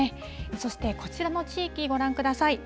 そしてこちらの地域、ご覧ください。